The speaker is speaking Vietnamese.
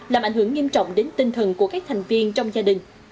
làm ảnh hưởng nghiêm trọng đến tinh thần của các thành viên trong gia đình